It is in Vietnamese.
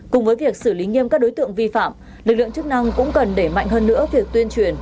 cùng với việc xử lý nghiêm các đối tượng vi phạm lực lượng chức năng cũng cần đẩy mạnh hơn nữa việc tuyên truyền